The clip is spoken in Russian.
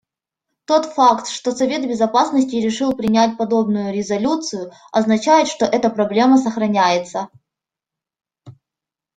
Тот факт, что Совет Безопасности решил принять подобную резолюцию, означает, что эта проблема сохраняется.